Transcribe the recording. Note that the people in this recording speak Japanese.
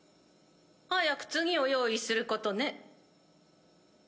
早く次を用意することね。